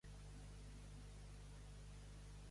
El sol fa cèrcol.